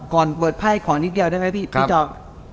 ก่อนเปิดไพ่ขอนิดเดียวได้ไหมพี่จอก